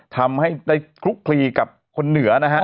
ทำให้ได้คลุกคลีกับคนเหนือนะฮะ